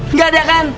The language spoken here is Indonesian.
nggak ada kan